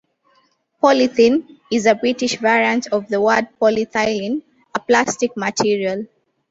"Polythene" is a British variant of the word polyethylene, a plastic material.